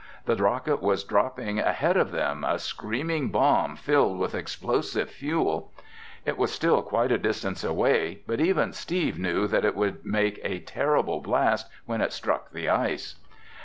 The rocket was dropping ahead of them, a screaming bomb filled with explosive fuel. It was still quite a distance away, but even Steve knew that it would make a terrible blast when it struck the ice.